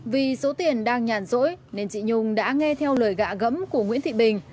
vì số tiền đang nhàn rỗi nên chị nhung đã nghe theo lời gạ gẫm của nguyễn thị bình